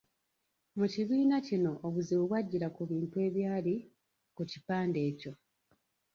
Mu kibiina kino obuzibu bw’ajjira ku bintu ebyali ku kipande ekyo.